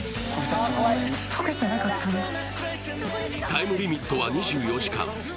タイムリミットは２４時間。